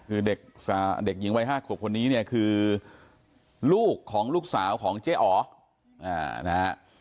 คือเด็กหญิงวัย๕ขวบคนนี้เนี่ยคือลูกของลูกสาวของเจ๊อ๋อนะฮะ